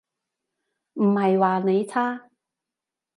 唔係話你差